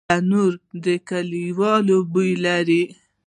تنور د کلیوالو بوی لري